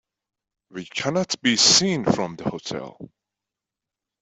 We cannot be seen from the hotel.